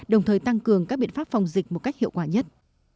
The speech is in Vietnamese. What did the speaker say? đồng thời tăng cường các biện pháp phòng dịch một cách hiệu quả nhất